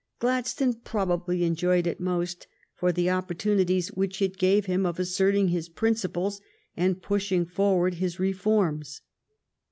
Gladstone probably enjoyed it most for the opportunities which it gave him of asserting his principles and pushing forward his reforms.